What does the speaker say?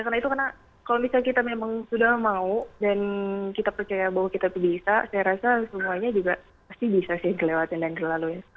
nah itu karena kalau misalnya kita memang sudah mau dan kita percaya bahwa kita bisa saya rasa semuanya juga pasti bisa sih kelewatan dan ke lalu ya